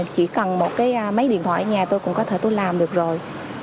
chỉ cần một cái máy điện thoại ở nhà tôi cũng có thể tôi làm được rồi